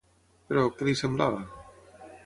Però, què li semblava?